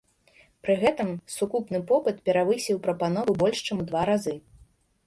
Пры гэтым сукупны попыт перавысіў прапанову больш чым у два разы.